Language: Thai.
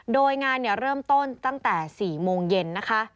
โดยงานเริ่มต้นตั้งแต่๔โมงเย็นนะคะ